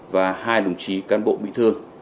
và hai đồng chí cán bộ bị thương